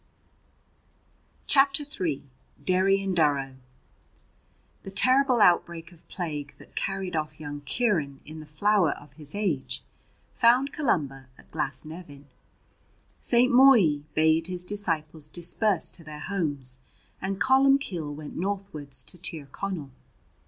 CHAPTER III DERRY AND DURROW THE terrible outbreak of plague that carried off young Ciaran in the flower of his age found Columba at Glasnevin. St. Mobhi bade his disciples disperse to their homes, and Columbcille went northwards to Tir Connell.